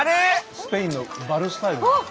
スペインのバルスタイル。